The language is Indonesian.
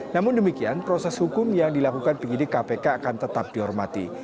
namun demikian proses hukum yang dilakukan penyidik kpk akan tetap dihormati